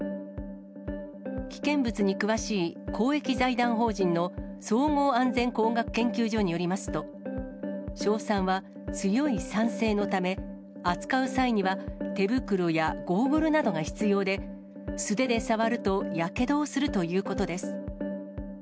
危険物に詳しい公益財団法人の総合安全工学研究所によりますと、硝酸は強い酸性のため、扱う際には手袋やゴーグルなどが必要で、素手で触るとやけどをするということです。